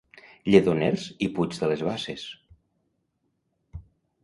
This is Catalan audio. Lledoners i Puig de les Basses.